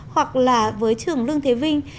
hoặc là với trường lương thế vinh